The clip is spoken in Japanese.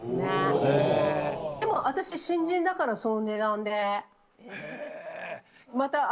でも私新人だからその値段で。